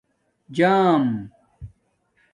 جݳم